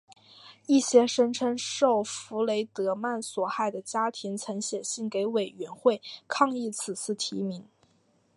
一些声称受弗雷德曼所害的家庭曾写信给委员会抗议此次提名。